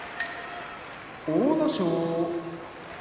阿武咲